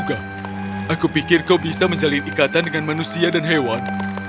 aku pikir kau bisa menjalin ikatan dengan manusia dan hewan